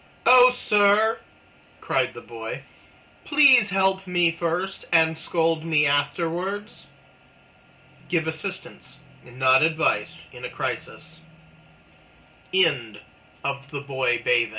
"Oh, sir," cried the Boy, "please help me first and scold me afterwards." Give assistance, not advice, in a crisis. THE QUACK FROG Once upo